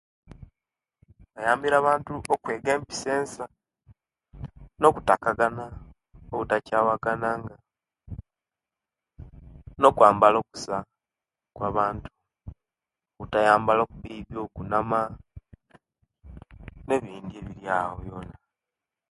Kuyambire abantu okwega empisa ensa nokutakagana obutakyawagananga nokwambala kusa okwabatu butayambala okubibi okunama nebindi ebiriyawo